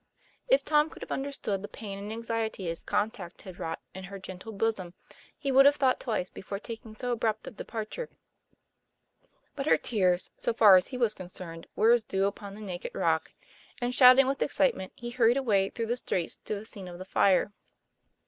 If Tom could have understood the pain and anxiety his conduct had wrought in her gentle bosom, he would have thought twice before taking so abrupt a TOM PLA YFAIR. 25 departure. But her tears (so far as he was concerned) were as dew upon the naked rock ; and, shouting with excitement, he hurried away through the streets to the scene of the fire.